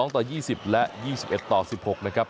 ต่อ๒๐และ๒๑ต่อ๑๖นะครับ